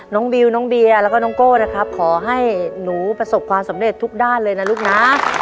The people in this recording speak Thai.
บิวน้องเบียร์แล้วก็น้องโก้นะครับขอให้หนูประสบความสำเร็จทุกด้านเลยนะลูกนะ